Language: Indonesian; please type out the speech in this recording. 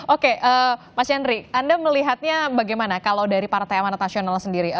oke mas yandri anda melihatnya bagaimana kalau dari partai amanat nasional sendiri